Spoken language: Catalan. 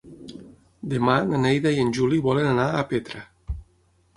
Demà na Neida i en Juli volen anar a Petra.